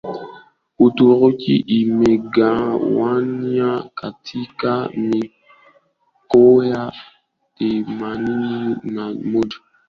Uturuki imegawanywa katika mikoa themanini na moja